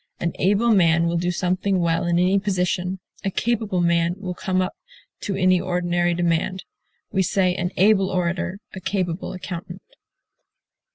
An able man will do something well in any position. A capable man will come up to any ordinary demand. We say an able orator, a capable accountant.